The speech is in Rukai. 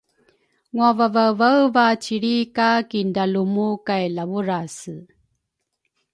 nguavaevaeva cilri ka kindralumu kay Lavurase.